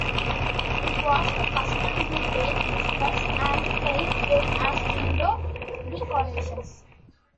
It was the custom to bake biscuits and paint them as window decorations.